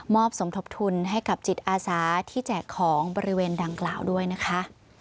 สมทบทุนให้กับจิตอาสาที่แจกของบริเวณดังกล่าวด้วยนะคะ